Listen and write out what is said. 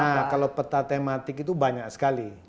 nah kalau peta tematik itu banyak sekali